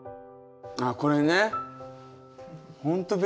あこれね。